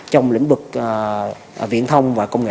trong lĩnh vực viễn thông và công nghệ